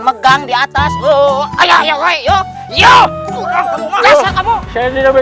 bener kak kina sakti hebat hebat